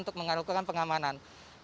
untuk melakukan pengamanan